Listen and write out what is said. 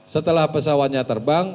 setelah pesawatnya terbang